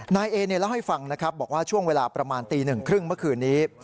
นายเอเล่าให้ฟังนะครับบอกว่าช่วงเวลาประมาณตีหนึ่งครึ่งเมื่อคืนนี้